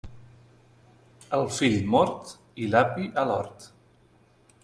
El fill mort i l'api a l'hort.